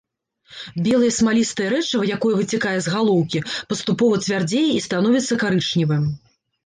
Белае смалістае рэчыва, якое выцякае з галоўкі, паступова цвярдзее і становіцца карычневым.